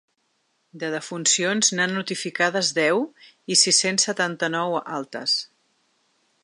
De defuncions, n’ha notificades deu, i sis-cents setanta-nou altes.